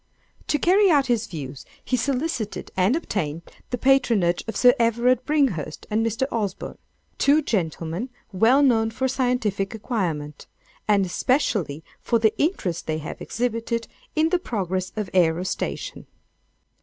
To carry out his views, he solicited and obtained the patronage of Sir Everard Bringhurst and Mr. Osborne, two gentlemen well known for scientific acquirement, and especially for the interest they have exhibited in the progress of ærostation.